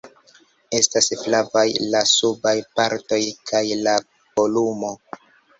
Estas flavaj la subaj partoj kaj la kolumo.